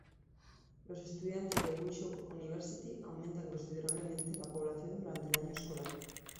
Los estudiantes de Bishop's University aumentan considerablemente la población durante el año escolar.